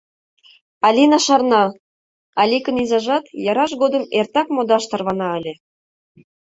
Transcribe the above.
Алина шарна, Аликын изажат яраж годым эртак модаш тарвана ыле.